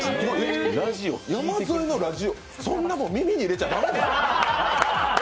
山添のラジオそんなもん耳に入れちゃだめ。